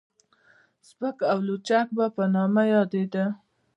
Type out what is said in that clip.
سپک او لچک به په نامه يادېده.